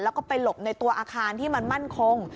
แล้วก็ไปหลบในตัวอาคารที่มันมั่นคง